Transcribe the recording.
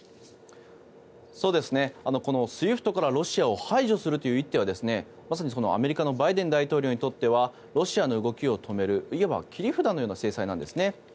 このＳＷＩＦＴからロシアを排除するという一手はまさにアメリカのバイデン大統領にとってはロシアの動きを止めるいわば切り札のような制裁なんですね。